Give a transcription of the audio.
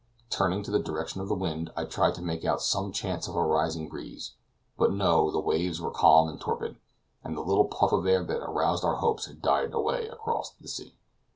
Turning to the direction of the wind, I tried to make out some chance of a rising breeze; but no, the waves were calm and torpid, and the little puff of air that had aroused our hopes had died away across the sea.